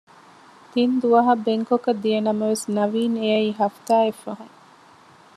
ތިންދުވަހަށް ބެންކޮކަށް ދިޔަނަމަވެސް ނަވީން އެއައީ ހަފްތާއެއް ފަހުން